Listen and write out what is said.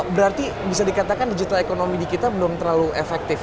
berarti bisa dikatakan digital ekonomi di kita belum terlalu efektif